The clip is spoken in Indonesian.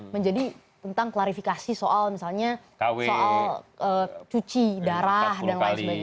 menjadi tentang klarifikasi soal misalnya soal cuci darah dan lain sebagainya